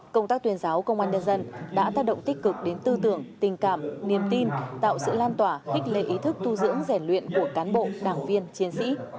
công tác tuyên giáo công an nhân dân đã tác động tích cực đến tư tưởng tình cảm niềm tin tạo sự lan tỏa khích lệ ý thức tu dưỡng rèn luyện của cán bộ đảng viên chiến sĩ